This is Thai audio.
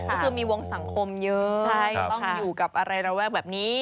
ก็คือมีวงสังคมเยอะต้องอยู่กับอะไรระแวกแบบนี้